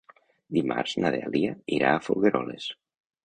Dimarts na Dèlia irà a Folgueroles.